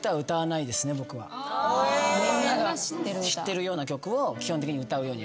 知ってるような曲を基本的に歌うように。